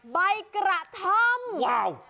ใบกระทำ